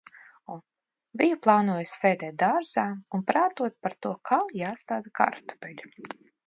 Biju plānojusi sēdēt dārzā un prātot par to, kā jāstāda kartupeļi.